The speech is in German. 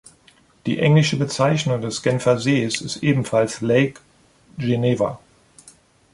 Die englische Bezeichnung des Genfersee ist ebenfalls Lake Geneva.